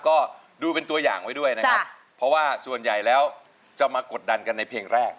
ก็ดูเป็นตัวอย่างไว้ด้วยนะครับเพราะว่าส่วนใหญ่แล้วจะมากดดันกันในเพลงแรก